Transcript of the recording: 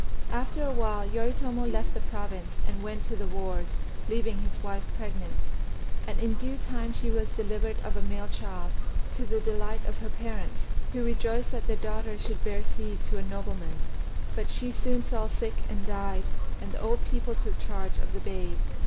After a while Yoritomo left the province, and went to the wars, leaving his wife pregnant; and in due time she was delivered of a male child, to the delight of her parents, who rejoiced that their daughter should bear seed to a nobleman; but she soon fell sick and died, and the old people took charge of the babe.